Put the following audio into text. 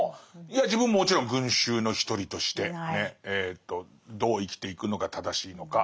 いや自分ももちろん群衆の一人としてねどう生きていくのが正しいのか。